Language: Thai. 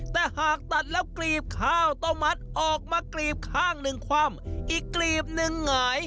แต่หากตัดแล้วกรีบข้าวต้มมัดออกมากลีบข้างหนึ่งคว่ำอีกกลีบหนึ่งหงาย